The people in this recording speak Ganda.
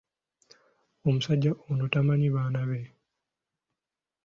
Omusajja ono tamanyi baana be.